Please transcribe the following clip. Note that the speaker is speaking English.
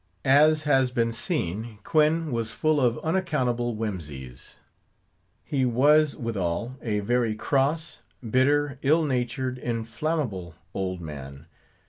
As has been seen, Quoin was full of unaccountable whimsies; he was, withal, a very cross, bitter, ill natured, inflammable old man.